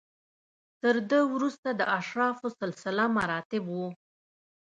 تر ده وروسته د اشرافو سلسله مراتب و